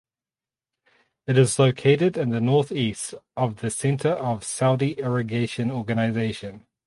It is located in the northeast of the center of Saudi Irrigation organization.